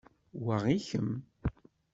Wa i kemm.